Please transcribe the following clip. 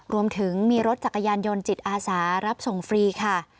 รวมถึงมีรถจักรยานยนต์จิตอาสารับส่งฟรีค่ะ